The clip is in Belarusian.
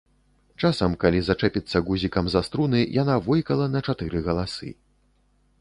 Часам, калі зачэпіцца гузікам за струны, яна войкала на чатыры галасы.